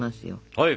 はい。